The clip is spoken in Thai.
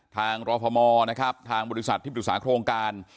รอฟมนะครับทางบริษัทที่ปรึกษาโครงการ